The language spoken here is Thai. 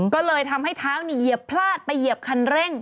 ก็เลยทำให้เท้าเหยียบพลาดไปเหยียบคันเร่ง